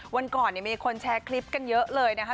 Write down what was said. วันก่อนมีคนแชร์คลิปกันเยอะเลยนะคะ